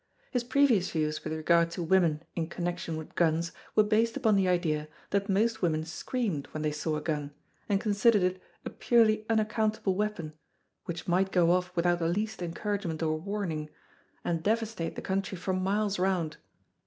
His previous views with regard to women in connection with guns were based upon the idea that most women screamed, when they saw a gun, and considered it a purely unaccountable weapon, which might go off without the least encouragement or warning, and devastate the country for miles round.